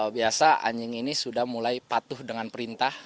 biasa anjing ini sudah mulai patuh dengan perintah